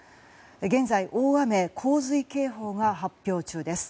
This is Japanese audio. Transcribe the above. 現在、大雨・洪水警報が発表中です。